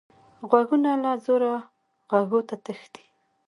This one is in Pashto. غوږونه له زوره غږو تښتي